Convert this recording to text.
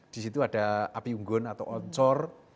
disitu ada api unggun atau oncor